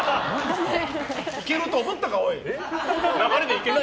いけると思ったか、おい！